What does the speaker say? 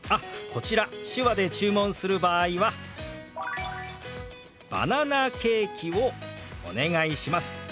こちら手話で注文する場合は「バナナケーキをお願いします」と表しますよ。